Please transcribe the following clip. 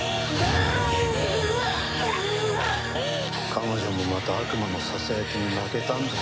彼女もまた悪魔のささやきに負けたんだ。